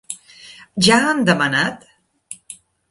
Ja han demanat?